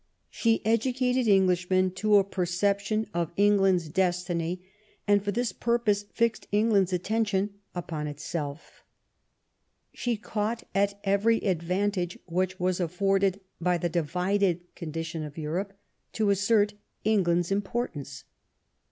She educated Englishmen to a \. LAST YEARS OF ELIZABETH. 305 perception of England's destiny, and for this purpose fixed England's attention upon itself. She caught at every advantage which was afforded by the divided condition of Europe to assert England's importance.